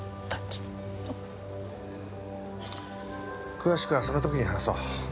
詳しくはその時に話そう。